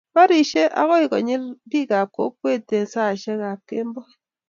barishei, ago nyalil biikap kokwet eng saishekab kemboi